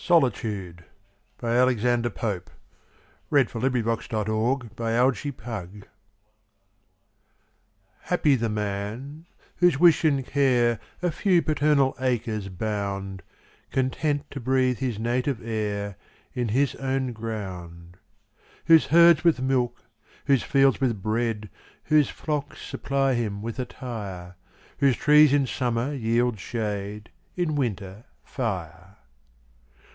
E F . G H . I J . K L . M N . O P . Q R . S T . U V . W X . Y Z Solitude HAPPY the man, whose wish and care A few paternal acres bound, Content to breathe his native air In his own ground. Whose herds with milk, whose fields with bread, Whose flocks supply him with attire; Whose trees in summer yield shade, In winter, fire.